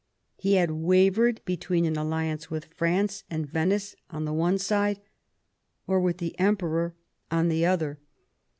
He had wavered between an alliance with France and Venice on the one side, or with the Emperor on the other.